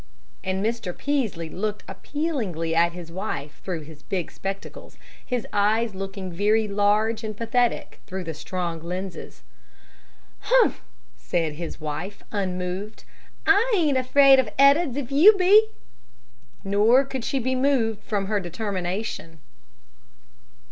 And Mr. Peaslee looked appealingly at his wife through his big spectacles, his eyes looking very large and pathetic through the strong lenses. "Humph!" said his wife, unmoved. "I ain't afraid of Ed'ards, if you be." Nor could she be moved from her determination.